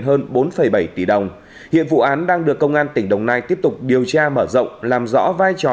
hơn bốn bảy tỷ đồng hiện vụ án đang được công an tỉnh đồng nai tiếp tục điều tra mở rộng làm rõ vai trò